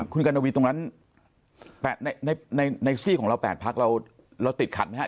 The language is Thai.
คุณกัณวีตรงนั้นในซี่ของเรา๘พักเราติดขัดไหมครับ